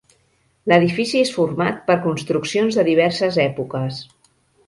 L'edifici és format per construccions de diverses èpoques.